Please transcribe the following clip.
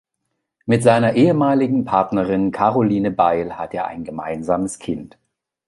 Mit seiner ehemaligen Partnerin Caroline Beil hat er ein gemeinsames Kind.